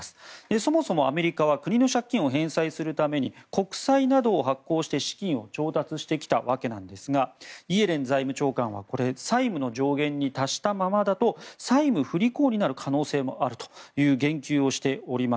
そもそもアメリカは国の借金を返済するために国債などを発行して資金を調達してきたわけですがイエレン財務長官は債務の上限に達したままだと債務不履行になる可能性もあると言及しております。